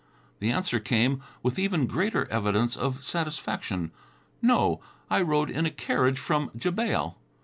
The answer came, with even greater evidence of satisfaction, "No, I rode in a carriage from Jebail."